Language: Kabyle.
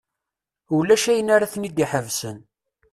Ulac ayen ara ten-id-iḥebsen.